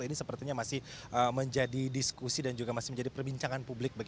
ini sepertinya masih menjadi diskusi dan juga masih menjadi perbincangan publik